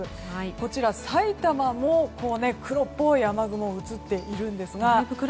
こちら埼玉も黒っぽい雨雲が映っているんですが。